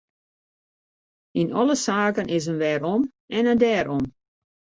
Yn alle saken is in wêrom en in dêrom.